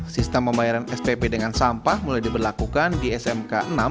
sistem pembayaran spp dengan sampah mulai diberlakukan di smk enam